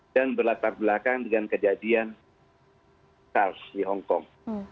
saya berlatar belakang dengan kejadian sars di hongkong